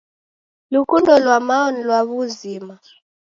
Lukundo lwa mao ni lwa wuzima.